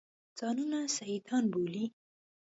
ځانونه سیدان بولي.